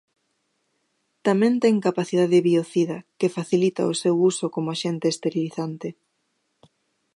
Tamén ten capacidade biocida, que facilita o seu uso como axente esterilizante.